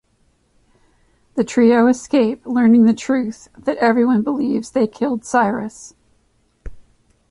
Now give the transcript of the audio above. The trio escape, learning the truth-that everyone believes they killed Cyrus.